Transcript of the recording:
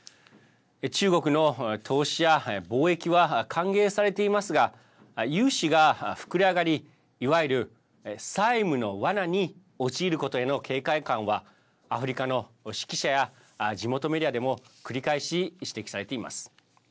中国の投資や貿易は歓迎されていますが融資が膨れ上がり、いわゆる債務のわなに陥ることへの警戒感はアフリカの識者や地元メディアでも繰り返し指摘されています。